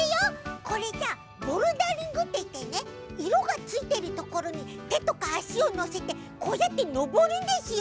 これさボルダリングっていってねいろがついてるところにてとかあしをのせてこうやってのぼるんですよ。